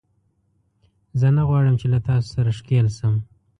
زه نه غواړم چې له تاسو سره ښکېل شم